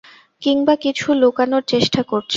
কিংবা কিছু লুকোনোর চেষ্টা করছে।